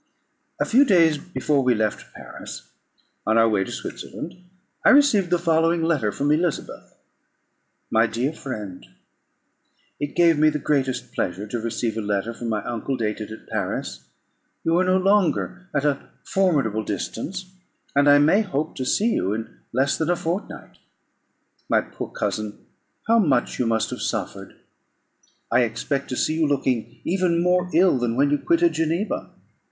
A few days before we left Paris on our way to Switzerland, I received the following letter from Elizabeth: "My dear Friend, "It gave me the greatest pleasure to receive a letter from my uncle dated at Paris; you are no longer at a formidable distance, and I may hope to see you in less than a fortnight. My poor cousin, how much you must have suffered! I expect to see you looking even more ill than when you quitted Geneva.